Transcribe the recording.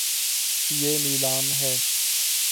یے نیلا م ہے